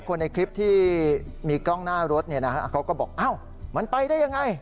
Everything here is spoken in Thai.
คนในคลิปที่มีกล้องหน้ารถเขาก็บอกอ้าวมันไปได้ยังไง